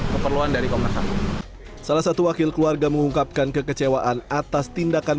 keperluan dari komnas ham salah satu wakil keluarga mengungkapkan kekecewaan atas tindakan